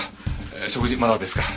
食事まだですか？